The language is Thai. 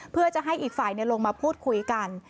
เพื่อจะให้อีกฝ่ายลงมาพูดคุยกัน